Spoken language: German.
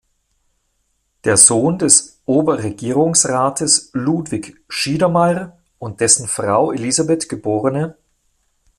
Der Sohn des Oberregierungsrates Ludwig Schiedermair und dessen Frau Elisabeth geb.